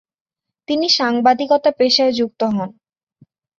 তিনি সাংবাদিকতা পেশায় যুক্ত হন।